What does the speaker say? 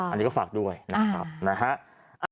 อันนี้ก็ฝากด้วยนะครับนะฮะ